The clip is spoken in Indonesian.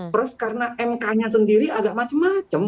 terus karena mk nya sendiri agak macem macem